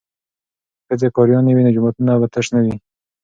که ښځې قاریانې وي نو جوماتونه به تش نه وي.